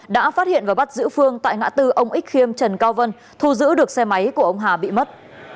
đã phát hiện và bắt giữ phương tại ngã tư ông ích khiêm trần cao vân thu giữ được xe máy của ông hà bị mất